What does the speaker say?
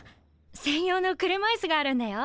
専用の車いすがあるんだよ。